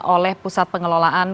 oleh pusat pengelolaan